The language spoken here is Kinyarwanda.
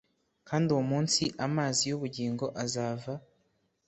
kandi uwo munsi amazi y ubugingo azava